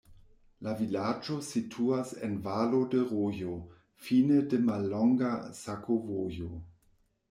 La vilaĝo situas en valo de rojo, fine de mallonga sakovojo.